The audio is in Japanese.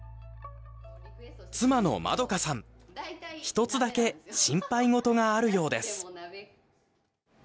妻の円香さん一つだけ心配事があるようです。